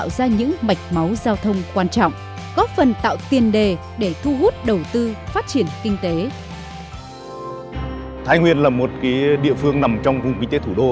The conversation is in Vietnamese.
xin chào và hẹn gặp lại